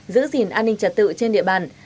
giữ gìn an ninh trật tự trên địa bàn